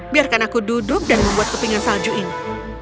biarkan aku duduk dan membuat kepingan salju ini